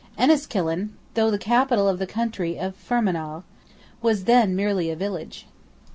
Enniskillen, though the capital of the county of Fermanagh, was then merely a village.